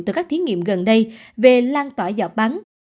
từ các thí nghiệm gần đây về lan tỏa giọt bắn